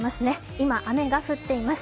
今、雨が降っています。